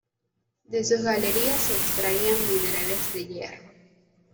De sus galerías se extraían minerales de hierro.